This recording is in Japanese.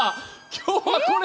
今日はこれ！？